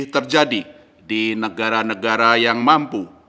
terjadi di negara negara yang mampu